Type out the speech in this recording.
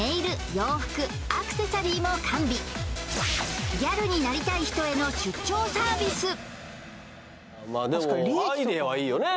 洋服アクセサリーも完備ギャルになりたい人へのまあでもアイデアはいいよね